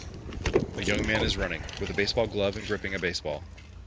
A young man is running, with a baseball glove and gripping a baseball.